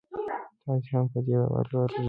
تاسي هم په دې باور ولرئ.